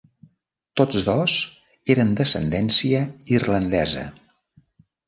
Tots dos eren d'ascendència irlandesa.